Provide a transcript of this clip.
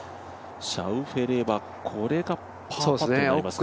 シャウフェレはこれがパーパットになりますかね。